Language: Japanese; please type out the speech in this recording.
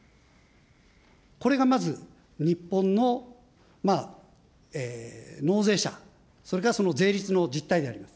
これがまず、日本の納税者、それからその税率の実態であります。